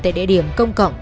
tại địa điểm công cộng